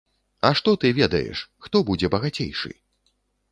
А што ты ведаеш, хто будзе багацейшы?!